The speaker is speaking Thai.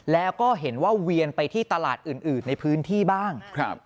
แล้วก็เห็นว่าเวียนไปที่ตลาดอื่นในพื้นที่บ้าง